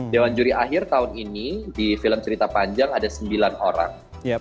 dewan juri akhir tahun ini di film cerita panjang ada sembilan orang